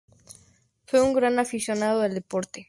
Fue un gran aficionado al deporte.